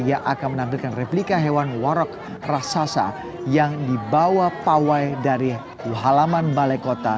yang akan menampilkan replika hewan warak raksasa yang dibawa pawai dari halaman balai kota